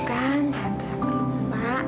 tante dewi tiup